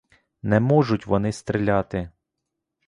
Не можуть вони стріляти!